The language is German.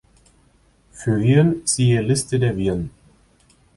Für Viren, siehe Liste der Viren.